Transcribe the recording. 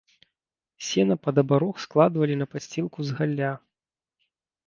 Сена пад абарог складвалі на падсцілку з галля.